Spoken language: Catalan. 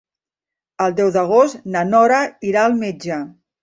El deu d'agost na Nora irà al metge.